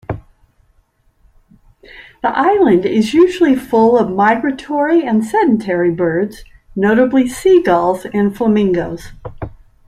The island is usually full of migratory and sedentary birds, notably seagulls and flamingoes.